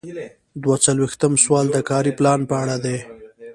دوه څلویښتم سوال د کاري پلان په اړه دی.